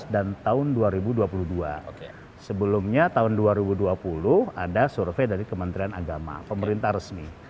dua ribu delapan belas dan tahun dua ribu dua puluh dua sebelumnya tahun dua ribu dua puluh ada survei dari kementerian agama pemerintah resmi